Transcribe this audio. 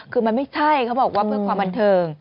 คือมันไม่ใช่เขาบอกว่าเพื่อความบันเทิง